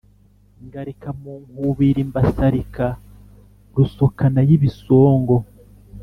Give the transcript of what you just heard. Ngarika mu nkubiri mbasarika Rusokanayibisongo!